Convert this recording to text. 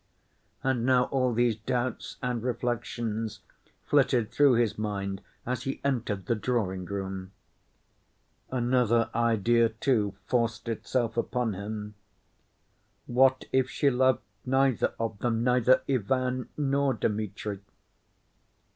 And now all these doubts and reflections flitted through his mind as he entered the drawing‐room. Another idea, too, forced itself upon him: "What if she loved neither of them—neither Ivan nor Dmitri?"